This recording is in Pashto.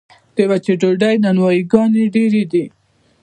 د وچې ډوډۍ نانوایي ګانې ډیرې دي